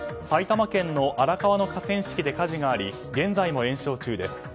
埼玉県の荒川の河川敷で火事があり、現在も延焼中です。